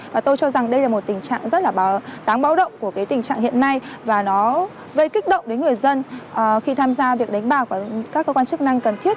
và tôi cho rằng đây là một tình trạng rất là táng bão động của tình trạng hiện nay và nó gây kích động đến người dân khi tham gia việc đánh bà của các cơ quan chức năng cần thiết